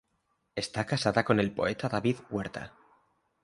Está casada con el poeta David Huerta.